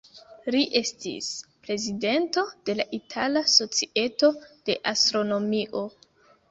Li estis prezidento de la Itala Societo de Astronomio.